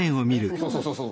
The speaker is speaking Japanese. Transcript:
そうそうそうそう。